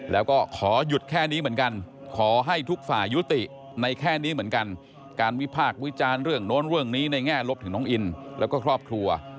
แล้วก็ขอหยุดแค่นี้เหมือนกันขอให้ทุกฝ่ายยุติในแค่นี้เหมือนกันการวิพากษ์วิจารณ์เรื่องโน้นเรื่องนี้ในแง่ลบถึงน้องอินแล้วก็ครอบครัว